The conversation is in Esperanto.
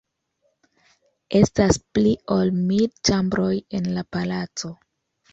Estas pli ol mil ĉambroj en la palaco.